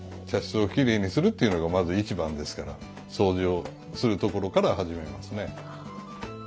茶室をきれいにするっていうのがまず一番ですから掃除をするところから始めますね。